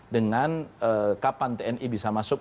dengan kapan tni bisa masuk